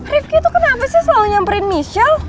rifki tuh kenapa sih selalu nyamperin michelle